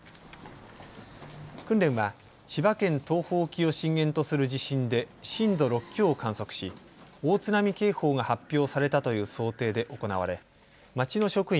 訓練は千葉県東方沖を震源とする地震で震度６強を観測し大津波警報が発表されたという想定で行われ町の職員